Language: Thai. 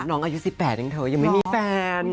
น้องอายุ๑๘ยังเธอยังไม่มีแฟน